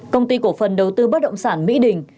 công ty cổ phần đầu tư bất động sản mỹ đình